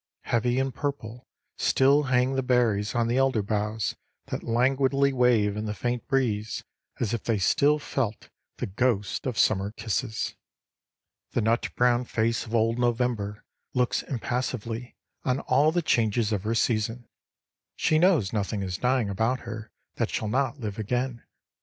Heavy and purple still hang the berries on the elder boughs that languidly wave in the faint breeze as if they still felt the ghosts of summer kisses. The nut brown face of old November looks impassively on all the changes of her season. She knows nothing is dying about her that shall not live again.